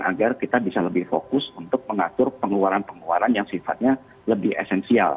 agar kita bisa lebih fokus untuk mengatur pengeluaran pengeluaran yang sifatnya lebih esensial